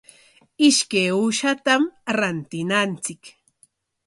Ishkay uushatam rantinanchik.